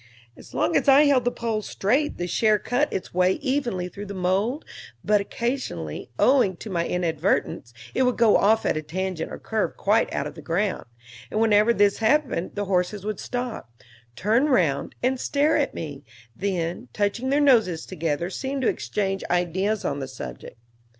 As long as I held the pole straight the share cut its way evenly through the mold, but occasionally, owing to my inadvertence, it would go off at a tangent or curve quite out of the ground; and whenever this happened the horses would stop, turn round and stare at me, then, touching their noses together seem to exchange ideas on the subject.